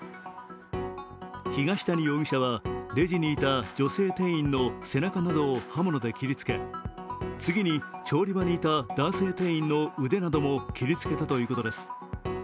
東谷容疑者はレジにいた女性店員の背中などを刃物で切りつけ次に調理場にいた男性店員の腕なども切りつけたということです。